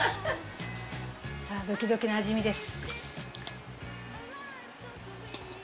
さあドキドキの味見です。